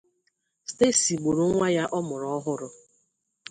Stacey gburu nwa ya ọ mụrụ ọhụrụ